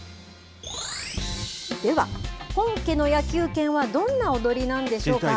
では、本家の野球拳はどんな踊りなんでしょうか。